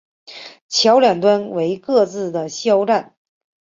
桥两端为各自的哨站。